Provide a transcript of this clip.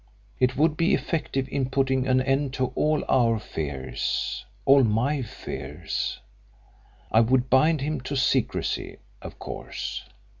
It would be effective in putting an end to all our fears all my fears. I would bind him to secrecy, of course.